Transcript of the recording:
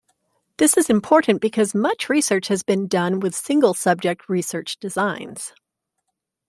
This is important because much research has been done with single-subject research designs.